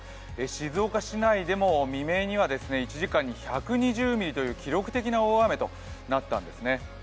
静岡市内でも未明には１時間に１２０ミリという記録的な大雨となったんですね。